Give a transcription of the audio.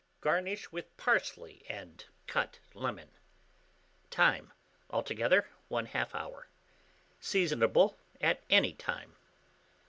Garnish with parsley and cut lemon. Time. Altogether, 1/2 hour. Seasonable at any time.